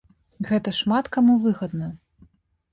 Гэта шмат каму выгадна.